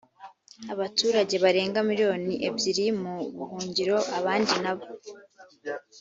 abaturage barenga miriyoni ebyiri mu buhungiro abandi na bo